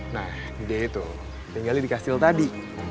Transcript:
nah dia itu tinggalnya di kastil tadi